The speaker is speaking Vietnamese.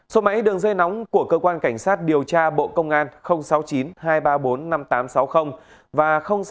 số máy đường dây nóng của cơ quan cảnh sát điều tra bộ công an sáu mươi chín hai trăm ba mươi bốn năm nghìn tám trăm sáu mươi và sáu mươi chín hai trăm ba mươi một một nghìn sáu trăm